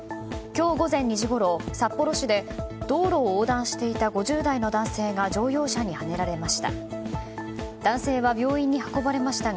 今日午前２時ごろ、札幌市で道路を横断していた５０代の男性が乗用車にはねられました。